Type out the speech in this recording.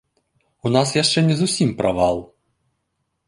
У нас яшчэ не зусім правал.